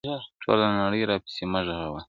ټوله نــــړۍ راپسي مه ږغوه~